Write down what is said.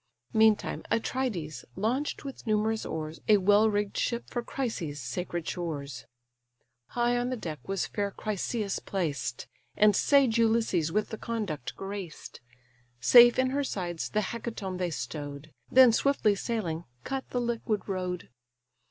Meantime Atrides launch'd with numerous oars A well rigg'd ship for Chrysa's sacred shores: High on the deck was fair Chryseïs placed, And sage Ulysses with the conduct graced: Safe in her sides the hecatomb they stow'd, Then swiftly sailing, cut the liquid road.